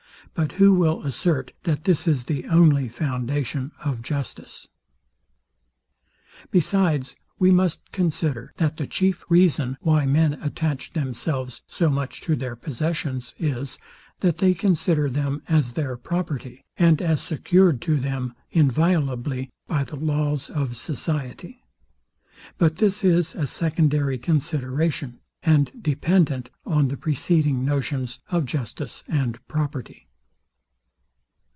But who will assert, that this is the only foundation of justice? Besides, we must consider, that the chief reason, why men attach themselves so much to their possessions is, that they consider them as their property, and as secured to them inviolably by the laws of society. But this is a secondary consideration, and dependent on the preceding notions of justice and property.